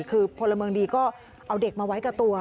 คือพลเมืองดีก็เอาเด็กมาไว้กับตัว